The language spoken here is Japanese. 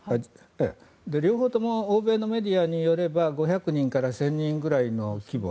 両方とも欧米のメディアによれば５００人から１０００人ぐらいの規模。